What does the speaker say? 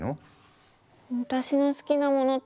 私の好きなものって何だろう。